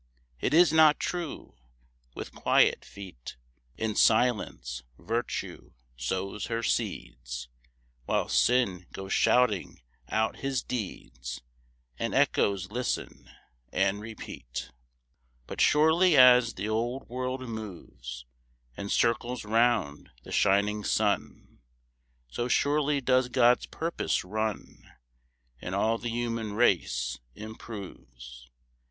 It is not true. With quiet feet, In silence, Virtue sows her seeds; While Sin goes shouting out his deeds, And echoes listen and repeat. But surely as the old world moves, And circles round the shining sun, So surely does God's purpose run, And all the human race improves.